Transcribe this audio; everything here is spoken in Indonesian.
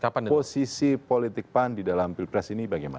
posisi politik pan di dalam pilpres ini bagaimana